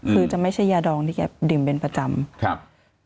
คือจะไม่ใช่ยาดองที่แกดื่มเป็นประจำครับ